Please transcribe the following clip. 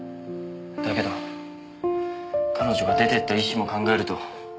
だけど彼女が出てった意思も考えると。